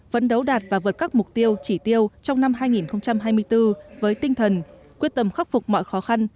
vấn đấu đạt và vượt các mục tiêu chỉ tiêu trong năm hai nghìn hai mươi bốn với tinh thần quyết tâm khắc phục mọi khó khăn